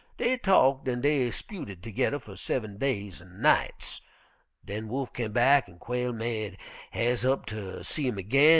Dey talked an' dey 'sputed toge'rr fer seven days an' nights. Den Wolf came back an' Quail made has'e up ter see him ag'in.